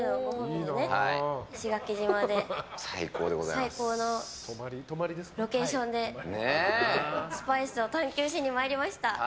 石垣島で最高のロケーションでスパイスを探求しにまいりました。